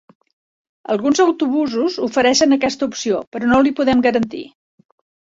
Alguns autobusos ofereixen aquesta opció, però no li podem garantir.